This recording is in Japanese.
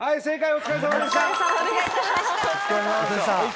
お疲れさまでした。